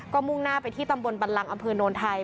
ก็มุ่งหน้าไปที่ตำบลบันลังอำเภอโนนไทย